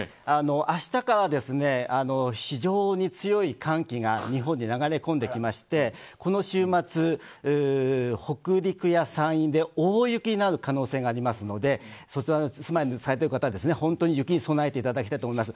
明日から非常に強い寒気が日本に流れ込んできましてこの週末、北陸や山陰で大雪になる可能性がありますのでそちらにお住まいされている方は本当に雪に備えていただきたいと思います。